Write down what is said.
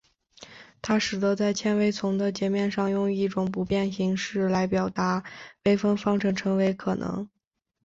它使得在纤维丛的截面上用一种不变形式来表达微分方程成为可能。